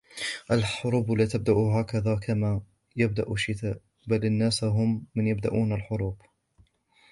الحروب لا تبدأ هكذا كما يبدأ الشتاء ، بل الناس هم من يبدأون الحروب.